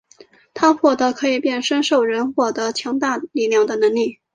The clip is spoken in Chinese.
他获得可以变身兽人获得强大力量的能力。